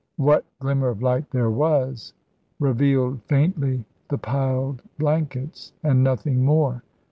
What glimmer of light there was revealed faintly the piled blankets, and nothing more.